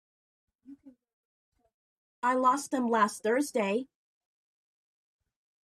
I lost them last Thursday.